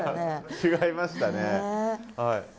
違いましたね。